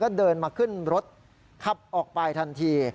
เดินมาขึ้นรถขับออกไปทันที